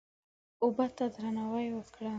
اوبه ته درناوی وکړه.